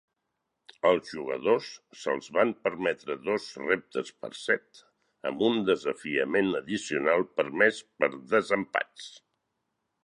Als jugadors se'ls van permetre dos reptes per set, amb un desafiament addicional permès per desempats.